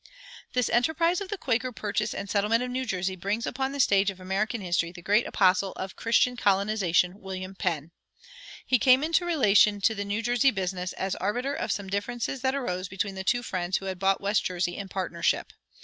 This enterprise of the Quaker purchase and settlement of New Jersey brings upon the stage of American history the great apostle of Christian colonization, William Penn. He came into relation to the New Jersey business as arbiter of some differences that arose between the two Friends who had bought West Jersey in partnership.